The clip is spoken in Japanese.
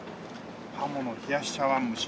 ハモの冷やし茶碗蒸し。